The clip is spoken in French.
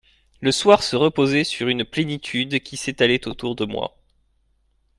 Le soir se reposait sur une plénitude qui s’étalait autour de moi.